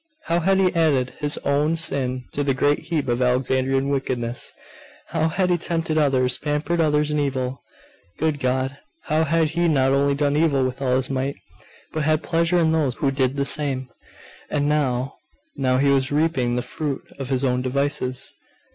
How had he added his own sin to the great heap of Alexandrian wickedness! How had he tempted others, pampered others in evil! Good God! how had he not only done evil with all his might, but had pleasure in those who did the same! And now, now he was reaping the fruit of his own devices.